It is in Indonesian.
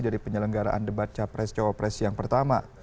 dari penyelenggaraan debat capres cawapres yang pertama